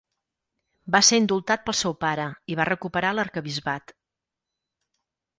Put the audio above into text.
Va ser indultat pel seu pare, i va recuperar l'arquebisbat.